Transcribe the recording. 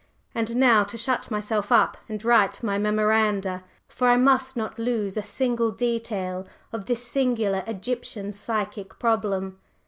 And now to shut myself up and write my memoranda for I must not lose a single detail of this singular Egyptian psychic problem.